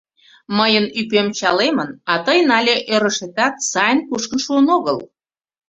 Мыйын ӱпем чалемын, а тыйын але ӧрышетат сайын кушкын шуын огыл...